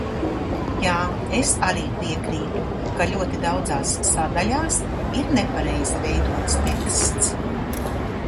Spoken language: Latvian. Jā, es arī piekrītu, ka ļoti daudzās sadaļās ir nepareizi veidots teksts.